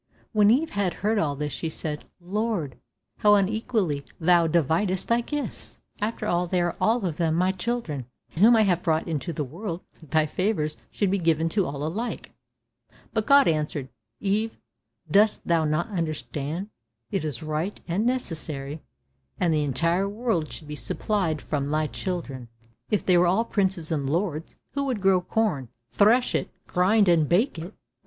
When Eve had heard all this she said, "Lord, how unequally thou dividest thy gifts! After all they are all of them my children, whom I have brought into the world, thy favours should be given to all alike." But God answered, "Eve, thou dost not understand. It is right and necessary that the entire world should be supplied from thy children; if they were all princes and lords, who would grow corn, thresh it, grind and bake it?